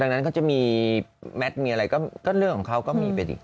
ดังนั้นเขาจะมีแมทมีอะไรก็เรื่องของเขาก็มีไปดิ